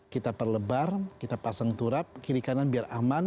kita perlebar kita pasang turap kiri kanan biar aman